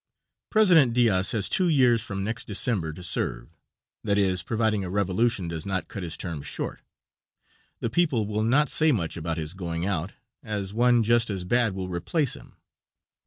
President Diaz has two years from next December to serve, that is, providing a revolution does not cut his term short. The people will not say much about his going out, as one just as bad will replace him.